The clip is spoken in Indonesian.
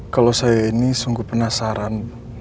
kalau saya ini sungguh penasaran